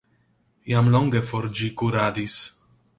Jam longe for ĝi kuradis.